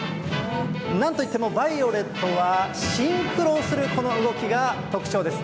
なんといってもＶＩＯＬＥＴはシンクロをするこの動きが特長です。